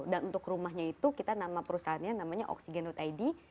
dan untuk rumahnya itu kita nama perusahaannya namanya oksigen id